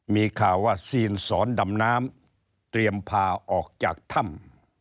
มีข่าวว่าซีนสอนดำน้ำเตรียมพาออกจากถ้ำ